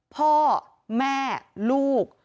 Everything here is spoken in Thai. พ่อแม่ลูก